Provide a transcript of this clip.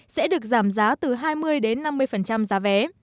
sẽ được giảm giá từ hai mươi đến năm mươi giá vé